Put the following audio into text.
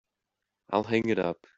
I'll hang it up.